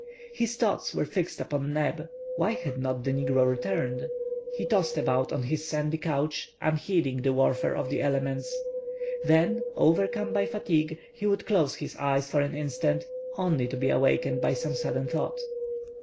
His thoughts were fixed upon Neb; why had not the negro returned? He tossed about on his sandy couch, unheeding the warfare of the elements. Then, overcome by fatigue, he would close his eyes for an instant, only to be awakened by some sudden thought.